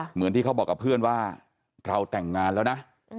เหมือนที่เขาบอกกับเพื่อนว่าเราแต่งงานแล้วนะ